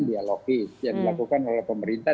dialogis yang dilakukan oleh pemerintah